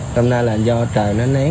hôm nay là do trời nó nén